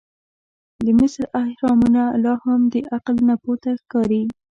د مصر احرامونه لا هم د عقل نه پورته ښکاري.